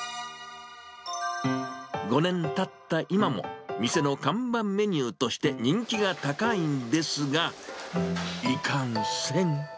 ５年たった今も、店の看板メニューとして人気が高いんですが、いかんせん。